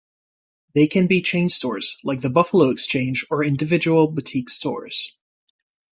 They can be chain stores, like the Buffalo Exchange or individual boutique stores.